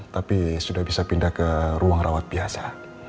tapi sudah bisa pindah ke ruang rawat biasa